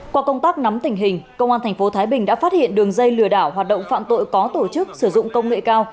qua công tác nắm tình hình công an tp thái bình đã phát hiện đường dây lừa đảo hoạt động phạm tội có tổ chức sử dụng công nghệ cao